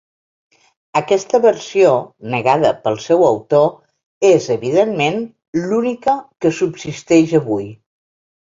Aquesta versió, negada pel seu autor, és evidentment l'única que subsisteix avui.